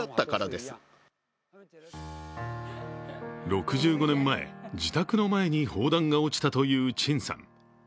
６５年前、自宅の前に砲弾が落ちたという陳さん。